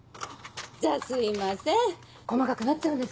じゃあすいません